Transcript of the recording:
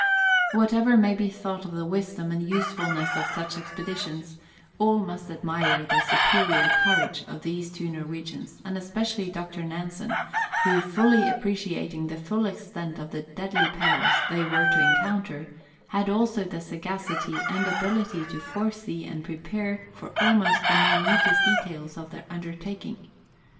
"Wdiatever may be thought of the wisdom and usefulness of such exi)editions, all must admire the superior courage of these two Norwegians, and especially Dr Nansen, who, fully appreci ating the full extent of the deadly perils they were to encounter, had also the sagacity and ability to foresee and prepare for almost the minutest details of their undertaking.